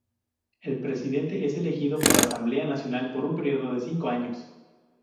El presidente es elegido por la Asamblea Nacional por un período de cinco años.